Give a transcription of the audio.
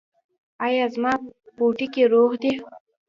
ایا زما پوټکی روغ دی؟